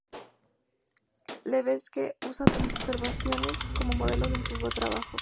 Levesque usa tanto observaciones como modelos en su trabajo.